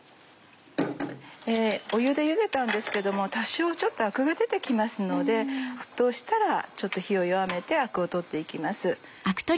湯でゆでたんですけども多少ちょっとアクが出て来ますので沸騰したらちょっと火を弱めてアクを取って行きます。